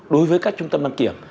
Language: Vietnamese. đối với các trung tâm đăng kiểm